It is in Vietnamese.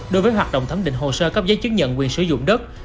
đối với hoạt động thấm định hồ sơ các giới chức nhận quyền sử dụng đất